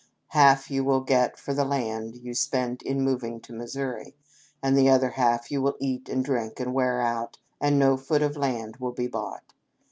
Half you will get for the land you spend in moving to Missouri, and the other half you will eat and drink and wear out, and no foot of land will be bought.